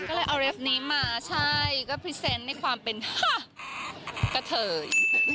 ก็เลยเอาเรฟนี้มาใช่ก็พรีเซนต์ในความเป็นกะเทย